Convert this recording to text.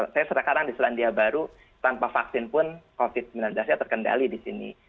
saya sekarang di selandia baru tanpa vaksin pun covid sembilan belas nya terkendali di sini